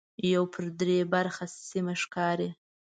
یو پر درې برخه سیمه ښکاري.